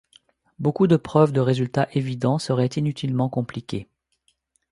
Beaucoup de preuves de résultats évidents seraient inutilement compliquées.